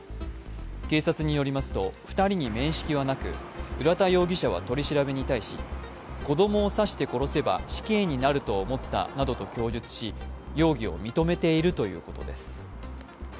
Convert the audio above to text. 警察によりますと２人に面識はなく浦田容疑者は取り調べに対し、子供を刺して殺せば死刑になると思ったなどと供述し容疑を認めているということです。